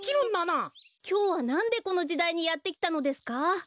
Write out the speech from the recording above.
きょうはなんでこのじだいにやってきたのですか？